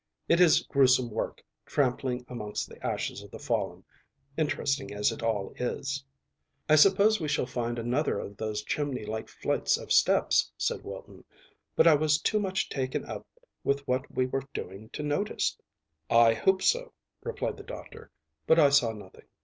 It is gruesome work trampling amongst the ashes of the fallen, interesting as it all is." "I suppose we shall find another of those chimney like flights of steps," said Wilton; "but I was too much taken up with what we were doing to notice." "I hope so," replied the doctor, "but I saw nothing.